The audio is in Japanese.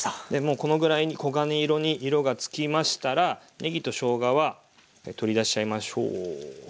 このぐらいに黄金色に色がつきましたらねぎとしょうがは取り出しちゃいましょう。